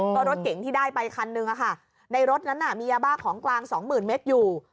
ก็รถเก๋งที่ได้ไปคันนึงในรถนั้นมียาบ้าของกลางสองหมื่นเมตรอยู่